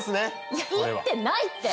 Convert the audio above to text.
いやいってないって！